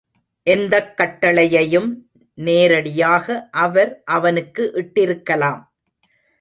எந்தக் கட்டளையையும் நேரடியாக அவர் அவனுக்கு இட்டிருக்கலாம்.